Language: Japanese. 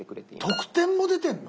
得点も出てるの？